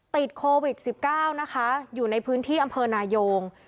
ติดโควิด๑๙นะคะอยู่ในพื้นที่อำเภอนายง